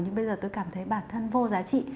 nhưng bây giờ tôi cảm thấy bản thân vô giá trị